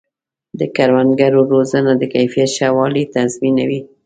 د کروندګرو روزنه د کیفیت ښه والی تضمینوي.